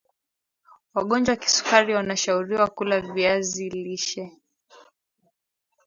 wagonjwa wa kisukari wana shauriwa kula viazi lishe